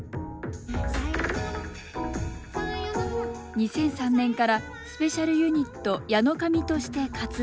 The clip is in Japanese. ２００３年からスペシャルユニットｙａｎｏｋａｍｉとして活動。